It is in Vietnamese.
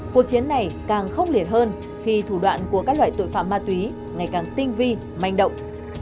cuộc chiến này càng khốc liệt hơn khi thủ đoạn của các loại tội phạm ma túy ngày càng tinh vi manh động